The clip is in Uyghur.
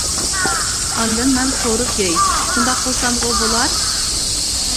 ئاندىن مەن قورۇپ يەي، شۇنداق قىلسامغۇ بولار.